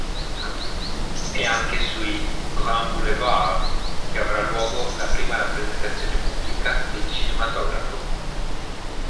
È anche sui "Grands Boulevards" che avrà luogo la prima rappresentazione pubblica del cinematografo.